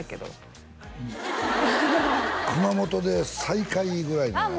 熊本で最下位ぐらいのやつあ